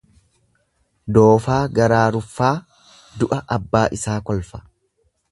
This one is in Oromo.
Doofaa garaa ruffaa du'a abbaa isaa kolfa.